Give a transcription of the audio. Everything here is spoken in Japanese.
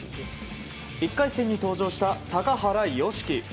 １回戦に登場した高原宜希。